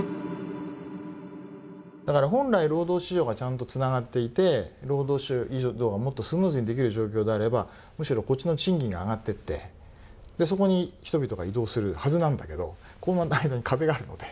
本来、労働市場がちゃんとつながっていて労働移動が、もっとスムーズにできる状況であればむしろ、こっちの賃金が上がっていって、そこに人々が移動するはずなんだけどこの間に壁があるので。